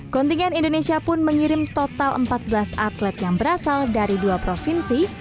kontingen indonesia pun mengirim total empat belas atlet yang berasal dari dua provinsi